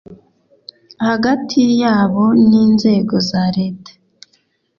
hagati y, abo n, inzego za leta